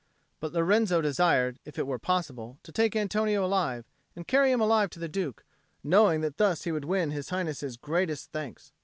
But Lorenzo desired, if it were possible, to take Antonio alive and carry him alive to the Duke, knowing that thus he would win His Highness's greatest thanks.